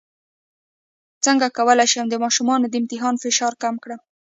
څنګه کولی شم د ماشومانو د امتحان فشار کم کړم